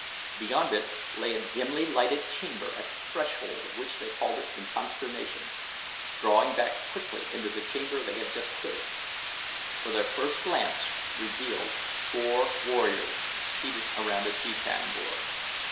Beyond it lay a dimly lighted chamber at the threshold of which they halted in consternation, drawing back quickly into the chamber they had just quitted, for their first glance revealed four warriors seated around a jetan board.